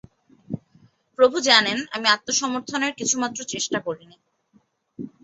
প্রভু জানেন, আমি আত্মসমর্থনের কিছুমাত্র চেষ্টা করিনি।